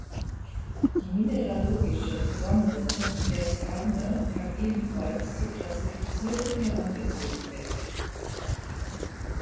Die mineralogische Zusammensetzung der Skarne kann ebenfalls zur Klassifizierung herangezogen werden.